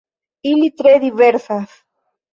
Ili tre diversas.